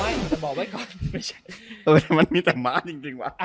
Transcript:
ไม่แต่บอกไว้ก่อนไม่ใช่เออมันมีแต่ม้าจริงจริงวะ